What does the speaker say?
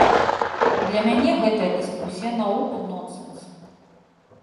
Для мяне гэтая дыскусія наогул нонсенс.